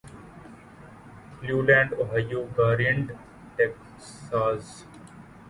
Cleveland Ohio گارینڈ Texas